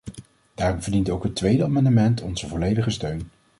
Daarom verdient ook het tweede amendement onze volledige steun.